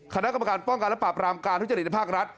คณะกรรมการป้องกันและปราบรามการทุจริตในภาครัฐ